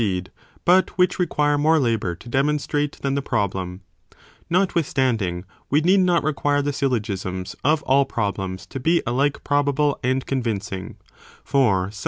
deed, but which require more labour to demonstrate than the problem. ἃ Avewnient Notwithstanding, we need not require the syl may be repre Jogisms of all problems to be alike probable and hensible per se